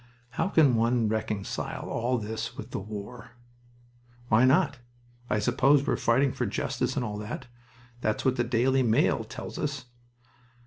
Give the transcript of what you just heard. "How can one reconcile all this with the war?" "Why not?... I suppose we're fighting for justice and all that. That's what The Daily Mail tells us."